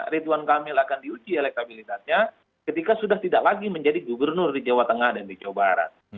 ridwan kamil akan diuji elektabilitasnya ketika sudah tidak lagi menjadi gubernur di jawa tengah dan di jawa barat